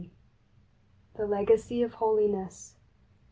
The Legacy of Holiness.